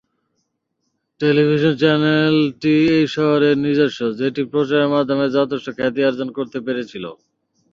Television চ্যানেলটি এই শহরের নিজস্ব, যেটি প্রচারের মাধ্যমে যথেষ্ট খ্যাতি অর্জন করতে পেরেছিল।